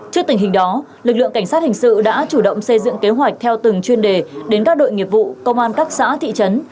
trước tình hình đó lực lượng cảnh sát hình sự đã chủ động xây dựng kế hoạch theo từng chuyên đề đến các đội nghiệp vụ công an các xã thị trấn